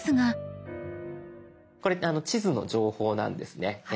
これ地図の情報なんですね。